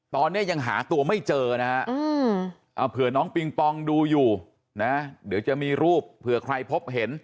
ตอนนี้ยังหาตัวไม่เจอนะฮะเผื่อน้องปิงปองดูอยู่นะเดี๋ยวจะมีรูปเผื่อใครพบเห็น